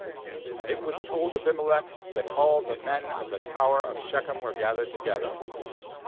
^And it was told Abim elech that all the men of the tower of Shechem were gathered together.